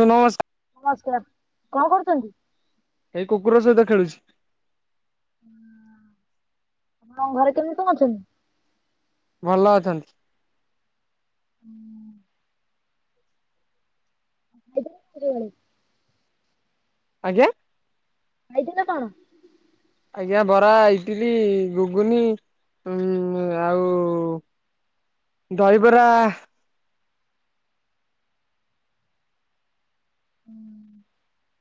ନୋଉ ନମସ୍କା ନମସ୍କାର କଣ କରୁଚନ୍ତି? ଏଇ କୁକୁର ସହିତ ଖେଳୁଚି। ଆପଣଙ୍କ ଘରେ କେମିତି କଣ ଅଛନ୍ତି? ଭଲ ଅଛନ୍ତି। ଉଁ। ଆଉ ଖାଇଥିଲେ କେତେଟା ବେଳେ? ଆଜ୍ଞା? ଖାଇଥିଲେ କଣ? ଆଜ୍ଞା ବରା, ଇଟିଲି, ଘୁଗୁନି ଉମ୍ ଆଉ ଦହିବରା ଉଁ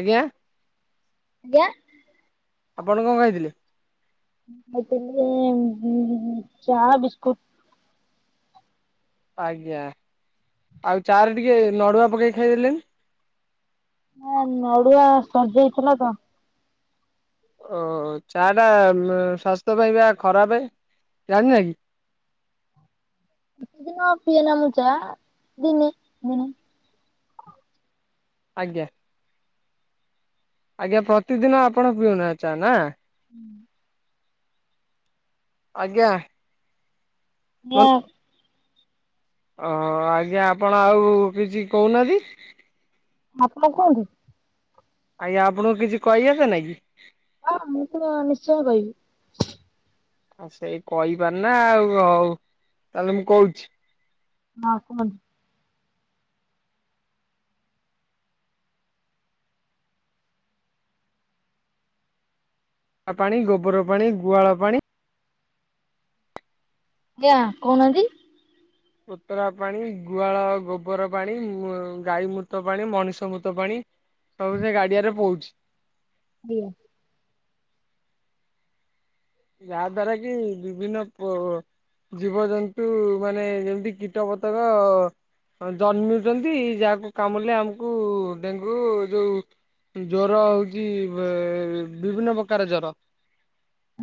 ଆଜ୍ଞା? ଆଜ୍ଞା? ଆପଣ କଣ ଖାଇଥିଲେ? ଉଁ ମତେ [inaudible] ଚା ବିସ୍କୁଟ। ଆଜ୍ଞା ଆଉ ଚାଆରେ ଟିକେ ନଡୁଆ ପକେଇ ଖାଇଦେଲେନି। ନା ନଡୁଆ ସରଯାଇଥିଲା ତ। ଓ ଚାଟା ଉମ ସ୍ୱାସ୍ଥ୍ୟ ପାଇଁ ପା ଖରାପେ। ଜାଣିନ କି? କ ପିଏନା ମୁଁ ଚାଆ ଦିନେ ଦିନେ। ଆଜ୍ଞା। ଆଜ୍ଞା ପ୍ରତିଦିନ ଆପଣ ପିଉନା ଚା ନା? ଆଜ୍ଞା। ନାଁ। ଓହୋ ଆଜ୍ଞା ଆପଣ ଆଉ କିଛି କୋହୁନାନ୍ତି। ଆପଣ କୁହନ୍ତୁ। ଆଜ୍ଞା ଆପଣଙ୍କୁ କିଛି କହି ଆସେ ନାଇ କି? ହଁ ମୁଁ ତ ନିଶ୍ଚୟ କହିବି। ଆ ସେଇ କହିପାରନା ଆଉ ହ ହୋଉ ତାହଲେ ମୁଁ କୋହୁଚି। ନା କୁହନ୍ତୁ। ଆ ପାଣି, ଗୋବର ପାଣି, ଗୁହାଳ ପାଣି। ଆଗିଁଆ କୋହୁନାହାନ୍ତି। କୋତରା ପାଣି, ଗୁହାଳ ଗୋବର ପାଣି, ଉଁ ଗାଈ ମୁତ ପାଣି, ମଣିଷ ମୁତ ପାଣି। ସବୁ ସେ ଗାଡିଆରେ ପଉଛି। ଇଏ ଯାହାଦ୍ଵାରା କି ବିଭିନ୍ନ ପ ଜୀବଜନ୍ତୁ ମାନେ ଯେମିତି କୀଟ ପତଙ୍ଗ ଅ ଜନ୍ମୁଚନ୍ତି ଯାହାକୁ କାମୁଡିଲେ ଆମକୁ ଡେଙ୍ଗୁ ଯୋଉ ଜର ହୋଉଛି ବିଭିନ୍ନ ପ୍ରକାର ଜର।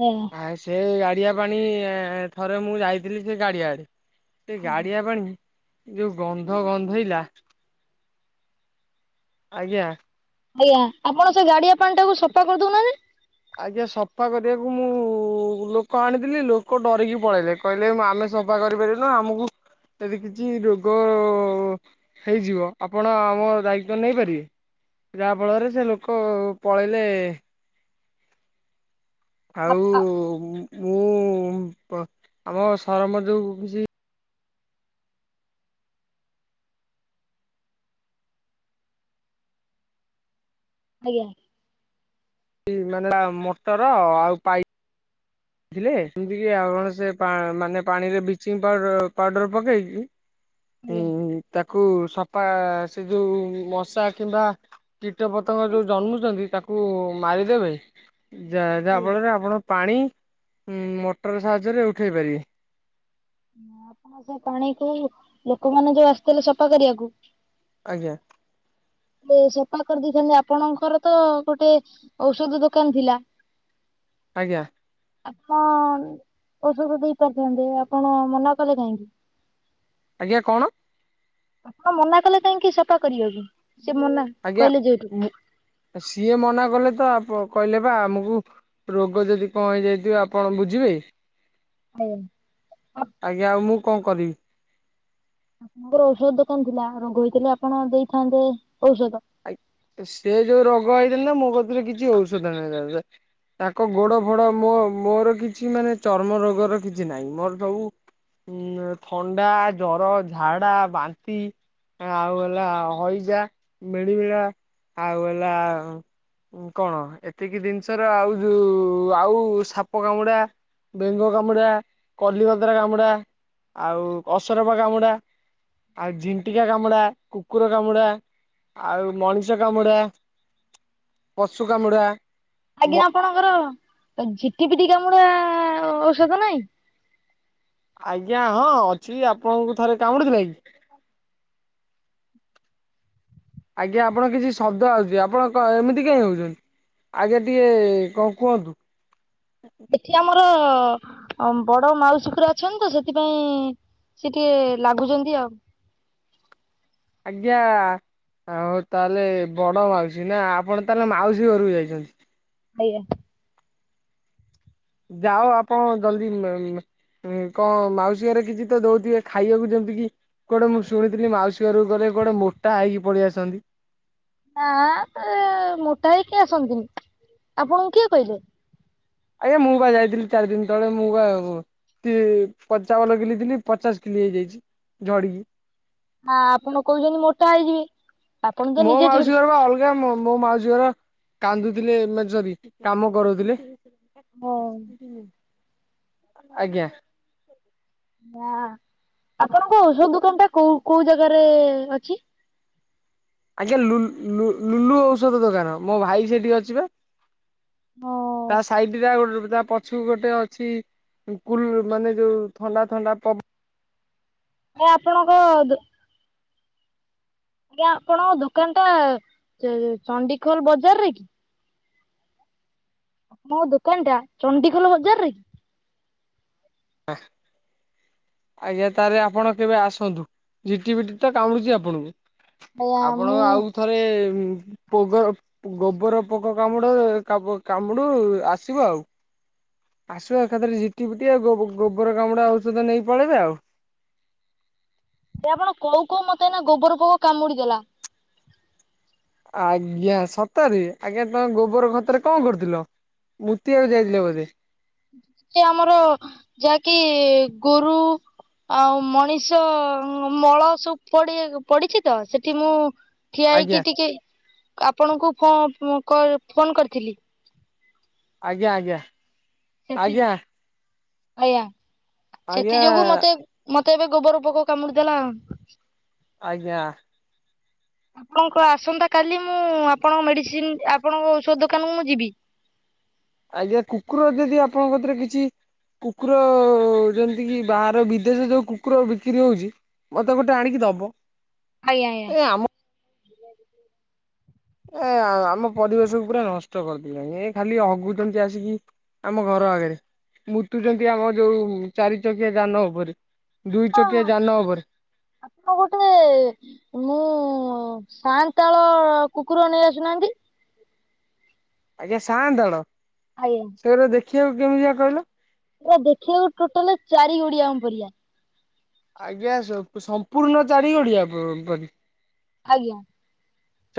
ଆଜ୍ଞା ଆ ସେ ଗାଡିଆ ପାଣି ଥରେ ମୁଁ ଯାଇଥିଲି ସେ ଗାଡିଆ ଆଡେ ସେ ଆଜ୍ଞା ଗାଡିଆ ପାଣି ଯୋଉ ଗନ୍ଧ ଗନ୍ଧେଇଲା ଆଜ୍ଞା। ଆଜ୍ଞା ଆପଣ ସେ ଗାଡିଆ ପାଣି ଟାକୁ ସଫା କରିଦଉନା ଆଜ୍ଞା ସଫା କରିବାକୁ ମୁଁ ଲୋକ ଆଣିଥିଲି ଲୋକ ଡରିକି ପଳେଇଲେ, କହିଲେ ଆମେ ସଫା କରିପାରି ନା ଆମକୁ ଯଦି କିଛି ରୋଗ ହେଇଯିବ ଆପଣ ଆମ ଦାୟିତ୍ୱ ନେଇପାରିବେ? ଯାହା ଫଳରେ ସେ ଲୋକ ପଳେଇଲେ ଆପ ଆଉ ଆପ ମୁଁ ଆମ ସରପଞ୍ଚ କି ଆଜ୍ଞା। ମାନେ ମଟର ଆଉ ପାଇପ୍ ବୁଝଥିଲେ ସେମିତି ଆପଣ ସେ ମାନେ ପା ପାଣିରେ ବ୍ଲିଚିଂ ପାଉଡର ପାଉଡର ପକେଇକି ଆଜ୍ଞା ହୁଁ ତା କୁ ସଫା ସେ ଯେଉଁ ମଶା କିମ୍ବା କୀଟ ପତଙ୍ଗ ଯେଉଁ ଜନ୍ମୁଛନ୍ତି ତାକୁ କୁ ମାରିଦେବେ ଯା ଆଜ୍ଞା ଯାହାଫଳରେ ଆପଣ ପାଣି ଉ ମଟର ସାହାଯ୍ୟରେ ଉଠେଇ ପାରିବେ। ଆପଣ ସେ ପାଣି କ ଲୋକମାନେ ଯୋଉ ଆସିଥିଲେ ସଫା କରିବାକୁ। ଆଜ୍ଞା। ସଫା କରିଦେଇଥାନ୍ତି ଆପଣଙ୍କର ତ ଗୋଟେ ଔଷଧ ଦୋକାନ ଥିଲା। ଆଜ୍ଞା। ଆପଣ ଔଷଧ ଦେଇ ପାରିଥାନ୍ତେ ଆପଣ ମନା କଲେ କାହିଁକି? ଆଜ୍ଞା କଣ? ଆପଣ ମନା କଲେ କାହିଁକି ସେବା କରିବାକୁ? ସେ ମନା ଆଜ୍ଞା କହିଲେ ଯେହେତୁ ମୁଁ ସିଏ ମନା କଲେ ତ ଆପ କହିଲେ ବା ଆମକୁ ରୋଗ ଯଦି କଣ ହେଇଯାଇଥିବ ଆପଣ ବୁଝିବେ। ହ ଆଜ୍ଞା ଆଉ ମୁଁ କଣ କରିବି? ଆପଣଙ୍କର ଔଷଧ ଦୋକାନ ଥିଲା ରୋଗହେଇଥିଲେ ଆପଣ ଦେଇଥାନ୍ତେ ଔଷଧ। ଆ ସେ ଯୋଉ ରୋଗ ହେଇଥିଲା ନା ମୋ କତିରେ କିଛି ଔଷଧ [unintelligible] ତାଙ୍କ ଗୋଡ ଫୋଡ ମୋ ମୋର କିଛି ମାନେ ଚର୍ମ ରୋଗର କିଛି ନାହିଁ, ମୋର ସବୁ ଉଁ ଥଣ୍ଡା ଜର ଝାଡା ବାନ୍ତି ଆଉ ହେଲା ହଇଜା ମିଳିମିଳା ଆଉ ହେଲା କଣ ଏତିକି ଜିନିଷ ର ଆଉ ଯୋଉ ଆଉ ସାପ କାମୁଡା ବେଙ୍ଗ କାମୁଡା କଲିଗଦ୍ରା କାମୁଡା ଆଉ ଅସରପା କାମୁଡା। ଆଉ ଝିଣ୍ଟିକା କାମୁଡା କୁକୁର କାମୁଡା ଆଉ ମଣିଷ ଷ କାମୁଡ଼ା ପଶୁ କାମୁଡ଼ା। ଆଜ୍ଞା ଆପଣଙ୍କର ଝିଟିପିଟି କାମୁଡା ହଁ ଔଷଧ ନାଇଁ? ଆଜ୍ଞା ହଁ ଅଛି ଆପଣଙ୍କୁ ଥରେ କାମୁଡ଼ି ଥିଲା କି? ଆଜ୍ଞା ଆପଣଙ୍କ କିଛି ଶବ୍ଦ ଆସଚି ଆପଣ ଏମିତି କହିଁ ହୋଉଚି? ଆଜ୍ଞା ଟିକେ କଣ କୁହନ୍ତୁ? ଏଠି ଆମର ବଡ ମାଉସୀ ଖୁରା ଅଛନ୍ତି ତ ସେଥିପାଇଁ ସେ ଟିକିଏ ଲାଗୁଛନ୍ତି ଆଉ। ଆଜ୍ଞା। ଆଉ ତାହେଲେ ବଡ ମାଉସୀ ନା ଆପଣ ତାହେଲେ ମାଉସୀ ଘରକୁ ଯାଇଛନ୍ତି? ଆଜ୍ଞା। ଯାଅ ଆପଣ ଜଲ୍ଦୀ [unintelligible] କଣ ମାଉସୀ ଘରେ କିଛି ତ ଦୋଉଥିବେ ଖାଇବାକୁ ଯେମିତି କିି ଗୋଟେ ମୁଁ ଶୁଣିଥିଲି ମାଉସୀ ଘକୁ ଗଲେ କୁଆଡେ ମୋଟା ହେଇକି ପଳେଇ ଆସନ୍ତି। ନା ତ ମୋଟା ହେଇକି କିଏ ଆସନ୍ତିନି, ଆପଣଙ୍କୁ କିଏ କହିଲେ? ଆରେ ମୁଁ ପା ଯାଇଥିଲି ଚାରି ଦିନ ତଳେ ମୁଁ ପା [inaudible] ପଞ୍ଚାବନ କିଲି ଥିଲି ପଚାଶ କିଲି ହେଇଯାଇଛି ଝଡିକି। ଆ-ଆ ଆପଣ କହୁଛନ୍ତି ମୋଟା ହେଇଯିବେ। ଆପଣ ତ ମୋ ନିଜେ ମାଉସୀ ଝଡି ଘର ପା ଅଲଗା ମୋ ମୋ ମାଉସୀ। ମାଉସୀ ଘର କାନ୍ଦୁଥିଲେ ମାନେ‌ ସରି କାମ କରଉଥିଲେ। ହଁ ଆଜ୍ଞା। ନା ଆପଣଙ୍କ ଔଷଧ ଦୋକାନଟା କୋଉ କୋଉ ଜାଗାରେ ଅଛି? ଆଜ୍ଞା ଲୁ-ଲୁ-ଲୁ-ଲୁଲୁ ଔଷଧ ଦୋକାନ ମୋ ଭାଇ ସେଠି ଅଛିି ପା ତା ହଁ ସାଇଟରେ ଆଉ ଗୋ [inaudible] ତା ପ [inaudible] ପଛୁକୁ ଗୋଟେ ଅଛି କୁଲ୍ ମାନେ ଯୋଉ ଥଣ୍ଡା ଥଣ୍ଡା ପବ୍ ଆ ଆପଣଙ୍କଅ-ଅ-ଅ ଦୋ ଆଜ୍ଞା ଆପଣଙ୍କ ଦୋକାନଟା ତ ଚଣ୍ଡିଖୋଲ ବଜାରରେ କି? [inaudible] ଦୋକାନଟା ଚଣ୍ଡିଖୋଲ ବଜାରରେ କି? ହ ଆଜ୍ଞା ତାହେଲେ ଆପଣ କେବେ ଆସନ୍ତୁ ଝିଟିପିଟି ତ କାମୁଡୁଛି ଆପଣଙ୍କୁ। ଆଜ୍ଞା ଆପଣ ମୁଁ ଆଉ ଥରେ ଉଁ ପୋକ ଗୋବର ପୋକ କାମୁଡୁ କା କାମୁଡୁ ଆସିବ ଆଉ। ଆସିବ ଏକାଥରେ ଝିଟିପିଟି ଆଉ ଗୋ ଗୋବର କାମୁଡା ଔଷଧ ନେଇ ପଳେଇବେ ଆଉ। ସେ ଆପଣ କହୁ କହୁ ମତେ ଏଇନା ଗୋବର ପୋକ କାମୁଡି ଦେଲା। ଆଜ୍ଞା ସତରେ? ଆଜ୍ଞା ତମେ ଗୋବର ଖତରେ କଣ କରୁଥିଲ? ମୁତିଆକୁ ଯାଇଥିଲେ ବୋଧେ [inaudible] ଆମର ଯାହାକି ଗୋରୁ ଆଉ ମଣିଷ ମଳ ସବୁ ପଡି ପଡିଛି ତ ସେଠି ମୁଁ ଠିଆ ଆଜ୍ଞା ହେଇକି ଟିକେ ଆପଣଙ୍କୁ ଫୋ କ ଫୋନ କରିଥିଲି। ଆଜ୍ଞା-ଆଜ୍ଞା, ସେଥି ଆଜ୍ଞା। ଆଜ୍ଞା ଆଜ୍ଞା ସେଥିଯୋଗୁ ମତେ ମତେ ଏବେ ଗୋବର ପୋକ କାମୁଡିଦେଲା। ଆଜ୍ଞା। ଆପଣଙ୍କ ଆସନ୍ତା କାଲି ମୁଁ ଆପଣଙ୍କ ମେଡିସିନ୍ ଆପଣଙ୍କ ଔଷଧ ଦୋକାନକୁ ମୁଁ ଯିବି। ହ [inaudible] ଆଜ୍ଞା କୁକୁର ଯଦି ଆପଣଙ୍କ କତିରେ କିଛି କୁକୁର ଯେମିତିକି ବାହାର ବିଦେଶରେ ଯୋଉ କୁକୁର ବିକ୍ରି ହଉଛି। ମତେ ଗୋଟେ ଆଣିକି ଦବ। ଆଜ୍ଞାା ଏ ଆଜ୍ଞା। ଆମ ଏ ଆମ ପରିବେଶକୁ ପୁରା ନଷ୍ଟ କରିଦେଲେଣି ଏ ଖାଲି ହଗୁଛନ୍ତି ଆସିକି ଆମ ଘର ଆଗରେ ମୁତୁଛନ୍ତି ଆମ ଯୋଉ ଚାରି ଚକିଆ ଯାନ ଉପରେ ଦୁଇ [inaudible] ଚକିଆ ଯାନ ଉପରେ ଆପଣ ଗୋଟେଏ-ଏ ମୁଁ ସାନ୍ତାଳ କୁକୁର ନେଇ ଆସୁନାହାନ୍ତି। ଆଜ୍ଞା ସାଆନ୍ତାଳ, ଆଜ୍ଞା ସେଗୁରା ଦେଖିବାକୁ କେମିତିଆ କହିଲ? ଆରେ ଦେଖିବାକୁ ଟୋଟାଲି ଚାରି ଗୋଡିଆଙ୍କ ପରିଆ ଆଜ୍ଞା ସ ସମ୍ପୂର୍ଣ୍ଣ ଚାରି ଗୋଡିଆ ପ-ପରି ଆଜ୍ଞା।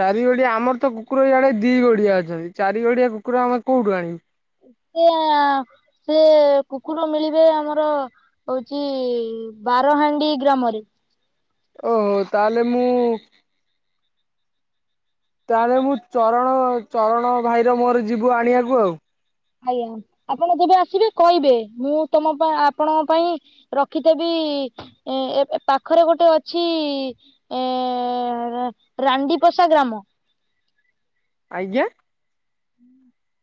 ଚାରି ଗୋଡିଆ ଆମର ତ କୁକୁର ଇଆଡେ ଦି ଗୋଡିଆ ଅଛନ୍ତି, ଚାରି ଗୋଡିଆ କୁକୁର ଆମେ କୋଉଠୁ ଆଣିବୁ? ହ [inaudible] ସେଏ-ଏ-ଏ ସେ କୁକୁର ମିଳିବେ ଆମର ହଉଛି ବାର [inaudible] ହାଣ୍ଡି ଗ୍ରାମରେ। ଓହୋଃ ତାହେଲେ ମୁଁ ତାହେଲେ ମୁଁ ଚରଣ ଚରଣ ଭାଇର ମୋର ଯିବୁ ଆଣିବାକୁ ଆଉ। ଆଜ୍ଞା, ଆପଣ ଯେବେ ଆସିବେ କହିବେ? ମୁଁ ତମ ପାଇଁ ଆପଣଙ୍କ ପାଇଁ ରଖିଥେବି ଏ ପାଖରେ ଗୋଟେ ଅଛି, ଏ-ଏଁ ରାଣ୍ଡି ପୋସା ଗ୍ରାମ ଆଜ୍ଞା? ହୁଁ [inaudible]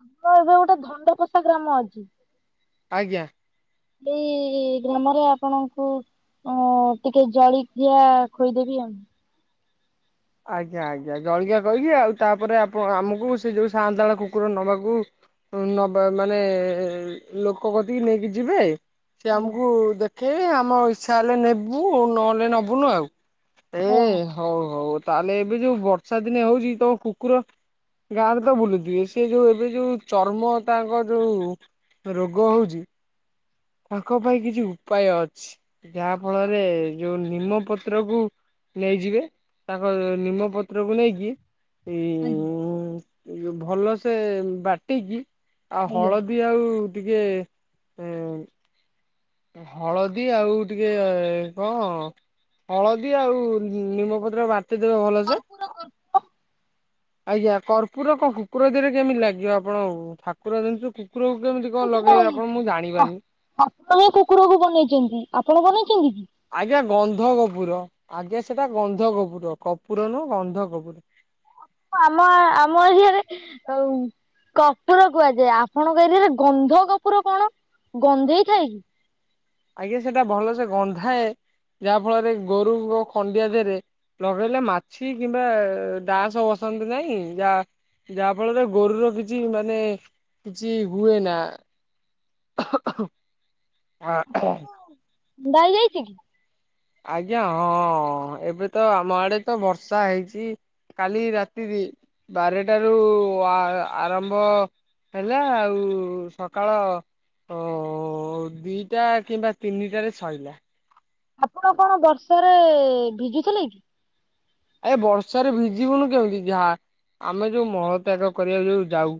ଆମର ଏବେ ଗୋଟେ, ଧଣ୍ଡକୋଷା ଗ୍ରାମ ଅଛି। ଆଜ୍ଞା। ଏଇ-ଇ ଇ ଗ୍ରାମରେ ଆପଣଙ୍କୁ ଅ, ଟିକେ ଜଳିଖିଆ ଖୋଇଦେବି ଆଉ ଆଜ୍ଞା ଆଜ୍ଞା, ଜଳିଖିଆ କହିକି! ଆଉ ତା'ପରେ ଆପ ଆମକୁ ସେ ଯୋଉଁ ସାଆନ୍ତାଳ କୁକୁର ନବାକୁ ନବା ମାନେ-ଏ ଲୋକକତିକି ନେଇକି ଯିବେ? ସେ ଆଜ୍ଞା ଆମକୁ ଦେଖେଇବେ, ଆମ ଇଚ୍ଛା ହେଲେ ନେବୁ ନହେଲେ ନବୁନୁ ଆଉ ଏ ଆଜ୍ଞା ହଉ ହଉ ତାହେଲେ, ଏବେ ଯୋଉ ବର୍ଷା ଦିନେ ହଉଛି। ତମ କୁକୁର ଗାଁରେ ତ ବୁଲୁଥିବେ। ସେ ଯୋଉ, ଏବେ ଯୋଉ ଚର୍ମ ତାଙ୍କ ଯୋଉ ରୋଗ ହଉଛି ତାଙ୍କ, ପାଇଁ କିଛି ଉପାୟ ଅଛି। ଯାହା ଫଳରେ ଯୋଉ ନିମପତ୍ରକୁ ନେଇଯିବେ, ତାଙ୍କ ନିମପତ୍ରକୁ ନେଇକି ଇ-ଇଁମ୍ ଏଉ ଭଲସେ ବାଟିକି ଆଉ, ଆଜ୍ଞା। ହଳଦୀ ଆଉ, ଟିକେ ଏଁ ହଳଦୀ ଆଉ, ଟିକେ-ଏ କଣ? ହଳଦୀ, ଆଉ ନିମପତ୍ର ବାଟିଦେବେ ଭଲସେ। ଆଜ୍ଞା, କର୍ପୁର କଣ କୁକୁର ଦିହରେ କେମିତି ଲାଗିବ? ଆପଣ ଠାକୁର ଜିନିଷକୁ କୁକୁରକୁ କେମିତି କଣ କିଛି ଲଗେଇବେ, ନାହିଁ ଆପଣ ମୁଁ ଠା ଜାଣିବାନି? ଠାକୁର ହିଁ କୁକୁରକୁ ବନେଇଚନ୍ତି। ଆପଣ ବନେଇ ଆଜ୍ଞା, ଗନ୍ଧକପୂର ଆଜ୍ଞା, ସେଟା ଗନ୍ଧକପୂର! କପୂର ନୁହଁ। ଗନ୍ଧକପୂର। ହଁ, ଆମ ଆମ ଏରିଆରେ ଅଉ କପୁର କୁହାଯାଏ। ଆପଣଙ୍କ ଏରିଆରେ ଗନ୍ଧକର୍ପୁର କଣ? ଗନ୍ଧେଇ ଥାଏ କି? ଆଜ୍ଞା, ସେଟା ଭଲସେ ଗନ୍ଧାଏ। ଯାହା ଫଳରେ ଗୋରୁକ ଖଣ୍ଡିଆ ଦେହରେ ଲଗେଇଲେ, ମାଛି କିମ୍ବା ଡାଆସ ବସନ୍ତି ନାଇଁ। ଯା ଯାହା ଫଳରେ, ଗୋରୁର କିଛି ମାନେ କିଛି ହୁଏ ନା। [inaudible] ଣ୍ଡା ହେଇଯାଇଛି କି? ଆଜ୍ଞା, ହଁ। ଏବେ ତ ଆମ ଆଡେ ତ ବର୍ଷା ହେଇଛି। କାଲି ରାତି ଦି, ବାରଟାରୁ ଆ-ଆରମ୍ଭ ହେଲା, ଆଉ ସକାଳ ଓ-ଓ ଦିଟା କିମ୍ବା ତିନିଟାରେ ସଇଲା। ଆପଣ କଣ ବର୍ଷାରେ-ଏ ଭିଜୁଥିଲେ କି? ଏ ବର୍ଷାରେ ଭିଜିବୁନୁ କେମିତି ଯାହା! ଆମେ ଯୋଉ ମଳ ତ୍ୟାଗ କରିବାକୁ ଯୋଉ ଯାଉ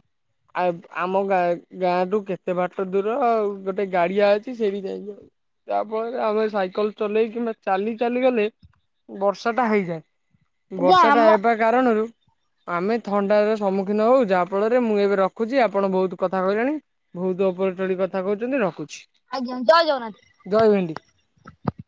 ଆବ୍-ଆମ ଗା-ଗାଁଠୁ କେତେ ବାଟ ଦୂର ଆଉ, ଗୋଟେ ଗାଡିଆ ଅଛି, ସେଇଠି ଯାଇକି ଆଉ। ତା'ପରେ ଆମେ ସାଇକେଲ ଚଲେଇ କିମ୍ବା ଚାଲି ଚାଲିଗଲେ ବର୍ଷା ଟା ହେଇଯାଏ। ଆଜ୍ଞା ବର୍ଷା ଟା ଆମ ହେବା କାରଣରୁ ଆମେ ଥଣ୍ଡାର ସମ୍ମୁଖୀନ ହଉ। ଯାହା, ଫଳରେ ମୁଁ ଏବେ ରଖୁଛି। ଆପଣ, ବହୁତ କଥା କହିଲେଣି ବହୁତ ଓପ [unintelligible] କଥା କହୁଛନ୍ତି, ରଖୁଛି। ଆଜ୍ଞା, ଜୟ ଜୟ ଭେଣ୍ଡି। ଜଗନ୍ନାଥ।